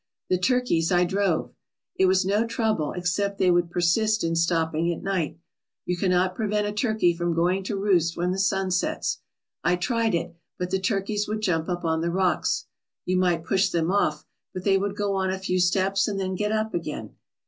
The turkeys I drove. It was no trouble except they would persist in stopping at night. You cannot prevent a turkey from going to roost when the sun sets. I tried it, but the turkeys would jump up on the rocks. You might push them off but they would go on a few steps and then get up again.